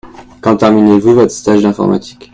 Quand terminez-vous votre stage d'informatique ?